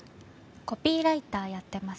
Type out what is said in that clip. コピーライターやってます。